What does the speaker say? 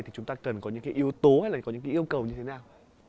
thì chúng ta cần có những yếu tố hay là có những yêu cầu như thế nào